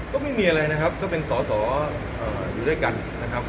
ก็ไม่มีอะไรนะครับก็เป็นสอสออยู่ด้วยกันนะครับ